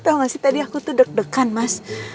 tahu gak sih tadi aku tuh deg degan mas